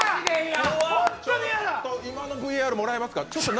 今のＶＡＲもらえますか？